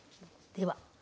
では。